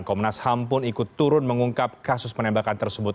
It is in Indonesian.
komnas ham pun ikut turun mengungkap kasus penembakan tersebut